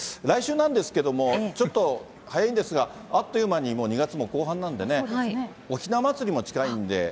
来週なんですけれども、ちょっと早いんですが、あっという間にもう２月も後半なんでね、おひな祭りも近いんで。